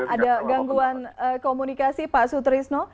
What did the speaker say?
ada gangguan komunikasi pak sutrisno